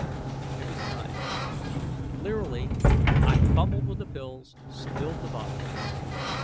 It was time. Blearily, I fumbled with the pills, spilled the bottle.